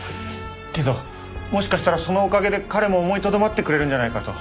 けどもしかしたらそのおかげで彼も思いとどまってくれるんじゃないかと。